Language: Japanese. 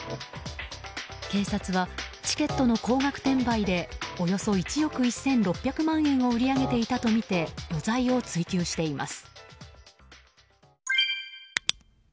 警察はチケットの高額転売でおよそ１億１６００万円を売り上げていたとみて余罪を追及しています。